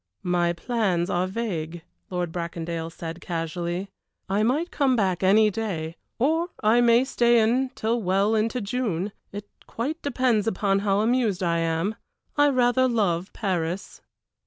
"My plans are vague," Lord Bracondale said, casually. "I might come back any day, or I may stay until well into June it quite depends upon how amused I am. I rather love Paris."